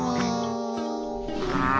ああ。